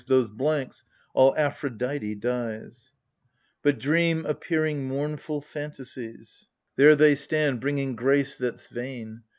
Those blanks — all Aphrodite' dies. " But dream appearing mournful fantasies — 36 ■ AGAMEMNON. There they stand, bringing grace that's vain.